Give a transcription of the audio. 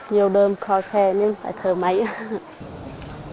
nhiều đơm khó khe nên phải thở máy ạ